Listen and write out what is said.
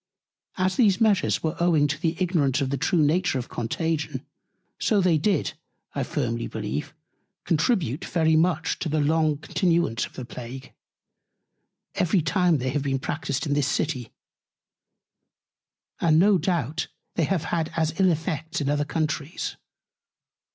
As these Measures were owing to the Ignorance of the true Nature of Contagion, so they did, I firmly believe, contribute very much to the long Continuance of the Plague, every time they have been practised in this City: And no doubt they have had as ill Effects in other Countries.